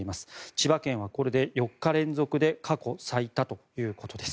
千葉県はこれで４日連続で過去最多ということです。